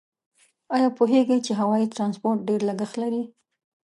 آیا پوهیږئ چې هوایي ترانسپورت ډېر لګښت لري؟